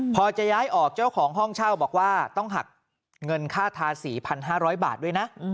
พอจะย้ายออกเจ้าของห้องเช่าบอกว่าต้องหักเงินค่าทา๔๕๐๐บาทด้วยนะ